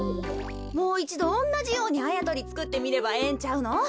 もういちどおんなじようにあやとりつくってみればええんちゃうの？